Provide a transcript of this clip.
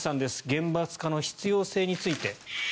厳罰化の必要性について。